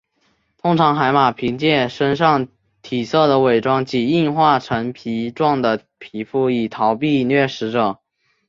通常海马凭借身上体色的伪装及硬化成皮状的皮肤以逃避掠食者。